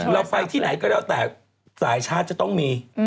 เราไปที่ไหนก็แล้วแต่สายชาร์จจะต้องมี